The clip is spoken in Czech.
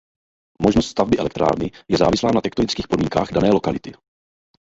Možnost stavby elektrárny je závislá na tektonických podmínkách dané lokality.